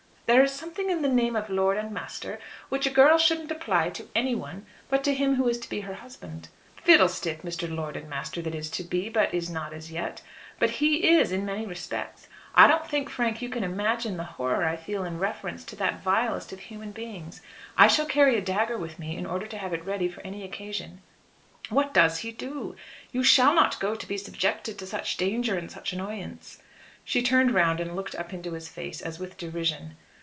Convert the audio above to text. "There is something in the name of lord and master which a girl shouldn't apply to anyone but to him who is to be her husband." "Fiddlestick! Mr. Lord and Master that is to be, but is not as yet. But he is, in many respects. I don't think, Frank, you can imagine the horror I feel in reference to that vilest of human beings. I shall carry a dagger with me, in order to have it ready for any occasion." "What does he do? You shall not go to be subjected to such danger and such annoyance." She turned round, and looked up into his face as with derision.